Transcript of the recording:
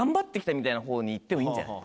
みたいな方にいってもいいんじゃない？